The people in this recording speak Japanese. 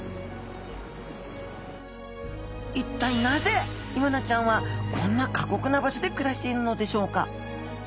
いったいなぜイワナちゃんはこんな過酷な場所で暮らしているのでしょうか？